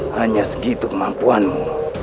hanya segitu kemampuanmu